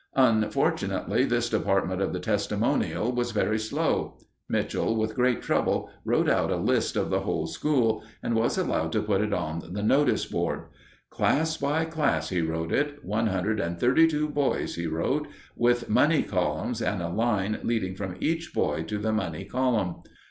Unfortunately, this department of the testimonial was very slow. Mitchell, with great trouble, wrote out a list of the whole school, and was allowed to put it on the notice board. Class by class he wrote it one hundred and thirty two boys he wrote with money columns and a line leading from each boy to the money column.